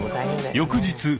翌日。